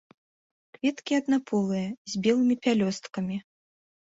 Кветкі аднаполыя, з белымі пялёсткамі.